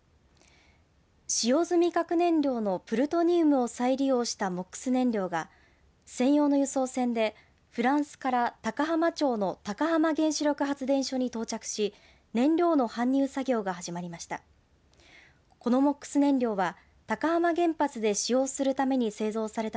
使用済み核燃料のプルトニウムを再利用したＭＯＸ燃料が専用の輸送船でフランスから高浜町の高浜原子力発電所に到着し燃料の搬入作業が始まりました。